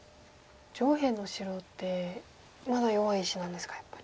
上辺の白ってまだ弱い石なんですかやっぱり。